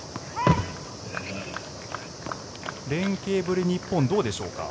連携ぶりは日本どうでしょうか。